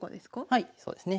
はいそうですね。